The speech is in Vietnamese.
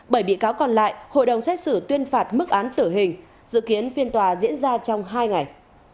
bảy bị cáo còn lại hội đồng xét xử tuyên phạt mức án tử hình dự kiến phiên tòa diễn ra trong hai ngày